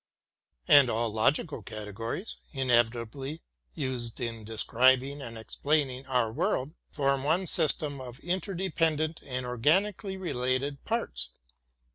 And all logical categories, inevitably used in describing and explaining our world, form one sys tem of interdependent and organically related parts.